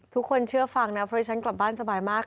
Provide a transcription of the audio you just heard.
ทุกคนเชื่อฟังนะเพราะฉะนั้นกลับบ้านสบายมาก